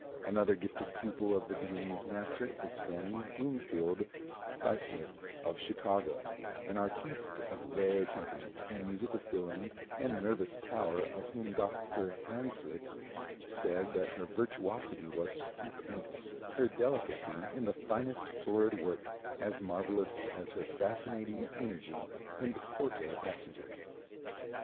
Another gifted pupil of the Viennese master is Fannie Bloomfield Zeisler, of Chicago, an artiste of rare temperament, musical feeling and nervous power, of whom Dr. Hanslick said that her virtuosity was stupendous, her delicacy in the finest florid work as marvelous as her fascinating energy in the forte passages.